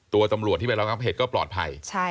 ตำรวจที่ไประงับเหตุก็ปลอดภัย